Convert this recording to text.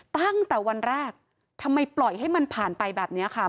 ตั้งแต่วันแรกทำไมปล่อยให้มันผ่านไปแบบนี้ค่ะ